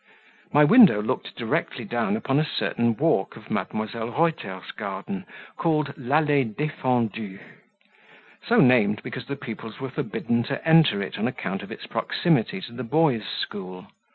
My window looked directly down upon a certain walk of Mdlle. Reuter's garden, called "l'allee defendue," so named because the pupils were forbidden to enter it on account of its proximity to the boys' school.